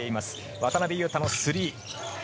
渡邊雄太のスリー。